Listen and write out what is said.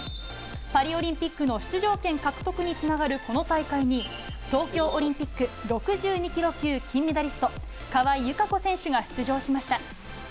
パリオリンピックの出場権獲得につながるこの大会に、東京オリンピック６２キロ級金メダリスト、川井友香子選手が出場しました。